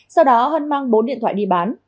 sau đó hân mang bốn điện thoại đi bán